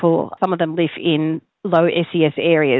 ada yang hidup di kawasan yang rendah